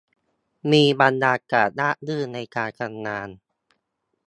มีบรรยากาศราบรื่นในการทำงาน